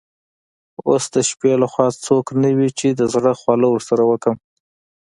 اوس د شپې له خوا څوک نه وي چي د زړه خواله ورسره وکړم.